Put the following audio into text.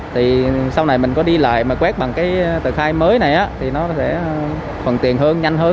thì sau này mình có đi lại mà quét bằng cái tờ khai mới này thì nó sẽ thuận tiện hơn nhanh hơn